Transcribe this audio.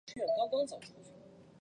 庄学和属毗陵庄氏第十二世。